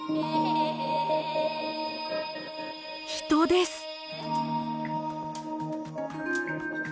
人です。